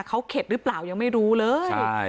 เขาเข็ดหรือเปล่ายังไม่รู้เลย